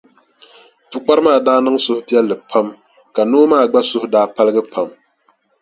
Pukpara maa daa niŋ suhupiɛlli pam ka noo maa gba suhu daa paligi pam.